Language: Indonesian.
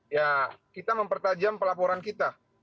ya kita mempertajam pelaporan kita